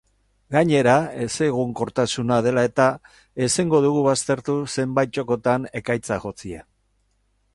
Gainera, ezegonkortasuna dela eta, ezingo dugu baztertu zenbait txokotan ekaitzak jotzea.